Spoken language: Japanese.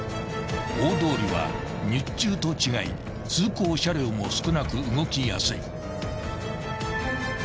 ［大通りは日中と違い通行車両も少なく動きやすい］